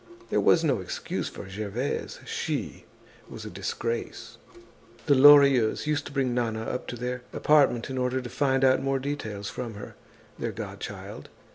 There was no excuse for Gervaise. She was a disgrace. The Lorilleuxs used to bring Nana up to their apartment in order to find out more details from her, their godchild.